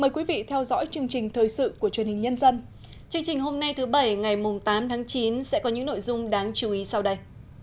chương trình hôm nay thứ bảy ngày tám tháng chín sẽ có những nội dung đáng chú ý sau đây